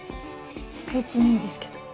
別にいいですけど。